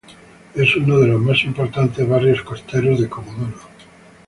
Es uno de los más importantes barrios costeros de Comodoro.